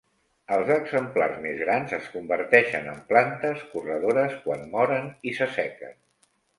Els exemplars més grans es converteixen en plantes corredores quan moren i s'assequen.